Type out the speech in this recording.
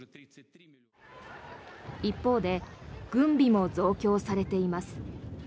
一方で軍備も増強されています。